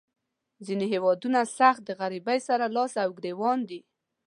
ځینې هیوادونه سخت د غریبۍ سره لاس او ګریوان دي.